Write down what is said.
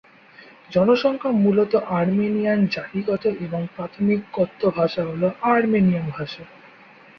জনসংখ্যা মূলত আর্মেনিয়ান জাতিগত, এবং প্রাথমিক কথ্য ভাষা হ'ল আর্মেনিয়ান ভাষা।